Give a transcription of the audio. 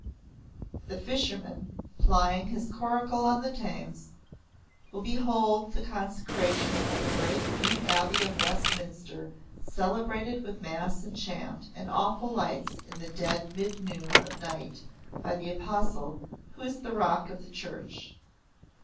The fisherman, plying his coracle on the Thames will behold the consecration of the great new Abbey of Westminster celebrated with mass and chant and awful lights in the dead mid noon of night by that Apostle who is the Rock of the Church.